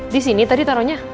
disini tadi taronya